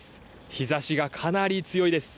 日ざしがかなり強いです。